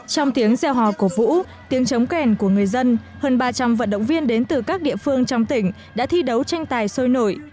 trong tiếng gieo hò cổ vũ tiếng trống kèn của người dân hơn ba trăm linh vận động viên đến từ các địa phương trong tỉnh đã thi đấu tranh tài sôi nổi